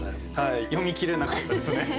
読み切れなかったですね。